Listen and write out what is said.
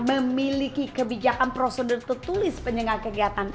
memiliki kebijakan prosedur tertulis penyengat kegiatan